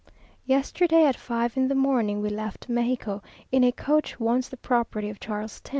Yesterday, at five in the morning we left Mexico, in a coach once the property of Charles X.